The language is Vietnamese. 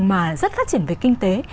mà rất phát triển về kinh tế